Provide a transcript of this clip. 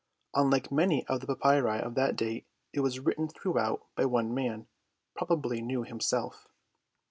Unlike many of the papyri of that date it was written throughout by one man, probably Nu himself.